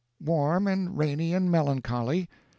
"Warm and rainy and melancholy.